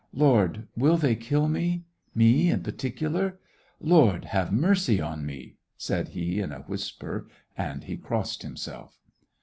" Lord, will they kill me — me in particular ? Lord, have mercy on me !" said he, in a whisper, and he crossed himself.